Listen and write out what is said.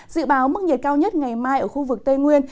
dự báo mức nhiệt cao nhất ngày mai ở khu vực tây nguyên